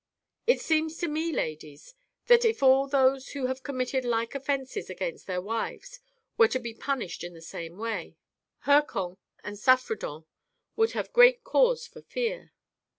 " It seems to me, ladies, that if all those who have committed like offences against their wives were to be punished in the same way, Hircan and Saffredent would have great cause for fear."